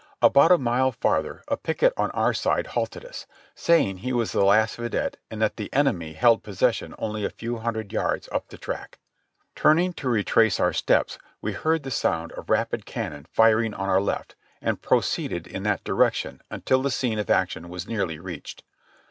About a mile farther a picket on our side halted us, saying he was the last vidette and that the enemy held possession only a few hundred yards up the track. Turning to retrace our steps, we heard the sound of rapid cannon firing on our left, and proceeded in that direction until the scene of action was nearly reached.